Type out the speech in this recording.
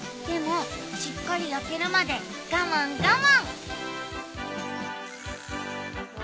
でもしっかり焼けるまで我慢我慢。